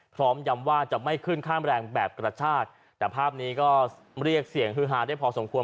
ยำว่าจะไม่ขึ้นข้ามแรงแบบกระชากแต่ภาพนี้ก็เรียกเสียงฮือฮาได้พอสมควร